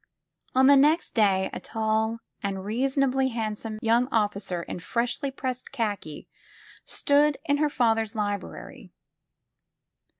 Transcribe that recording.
On the next day a tall and reasonably handsome young officer in freshly pressed khaki stood in her father's library.